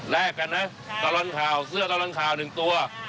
แลกกันนะตะรอนข่าวเชื่อตะรอนข่าว๑ตัว